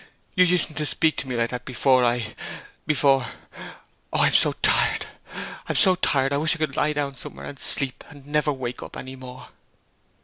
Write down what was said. You usen't to speak to me like that before I before Oh, I am so tired I am so tired, I wish I could lie down somewhere and sleep and never wake up any more.'